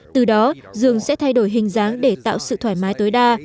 từ đó giường sẽ thay đổi hình dáng để tạo sự thoải mái tối đa